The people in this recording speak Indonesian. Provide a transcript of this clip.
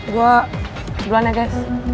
gue jualan ya guys